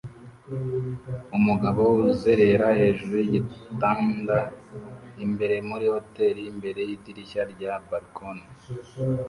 Umugabo uzerera hejuru yigitanda imbere muri hoteri imbere yidirishya rya balkoni